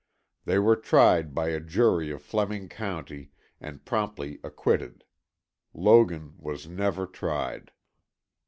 They were tried by a jury of Fleming County and promptly acquitted. Logan was never tried.